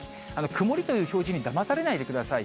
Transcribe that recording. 曇りという表示にだまされないでください。